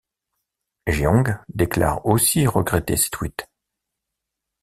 Jeong déclare aussi regretter ces tweets.